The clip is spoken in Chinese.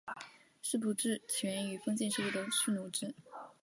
世仆制起源于封建社会的蓄奴制。